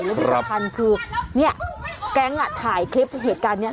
และที่สำคัญคือเนี่ยแก๊งถ่ายคลิปเหตุการณ์นี้